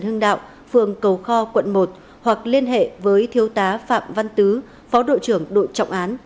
hưng đạo phường cầu kho quận một hoặc liên hệ với thiếu tá phạm văn tứ phó đội trưởng đội trọng án